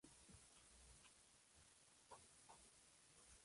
Es un especie carnívora que se alimenta principalmente de insectos.